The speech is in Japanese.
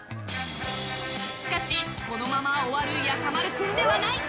しかし、このまま終わるやさまる君ではない！